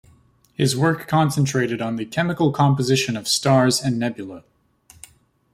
His work concentrated on the chemical composition of stars and nebulae.